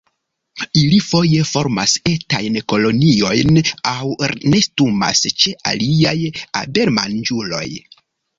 Ili foje formas etajn koloniojn, aŭ nestumas ĉe aliaj abelmanĝuloj.